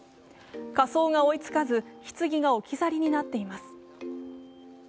火葬が追いつかず、ひつぎが置き去りになっています。